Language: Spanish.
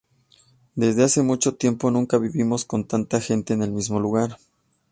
Desde hace mucho tiempo, nunca vivimos con tanta gente en el mismo lugar.